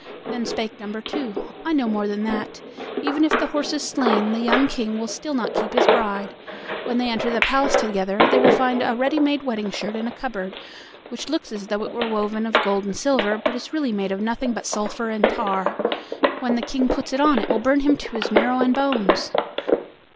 Then spake number two: "I know more than that: even if the horse is slain, the young King will still not keep his bride: when they enter the palace together they will find a ready made wedding shirt in a cupboard, which looks as though it were woven of gold and silver, but is really made of nothing but sulphur and tar: when the King puts it on it will burn him to his marrow and bones."